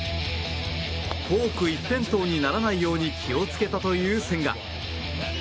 フォーク一辺倒にならないように気をつけたという千賀。